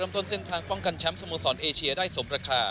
ต้นเส้นทางป้องกันแชมป์สโมสรเอเชียได้สมราคา